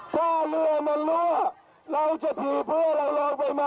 ถ้าเรือมันรั่วเราจะถี่เพื่อเรารองไปไหม